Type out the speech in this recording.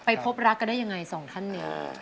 ไปพบรักกันได้อย่างไร๒ท่านหนิ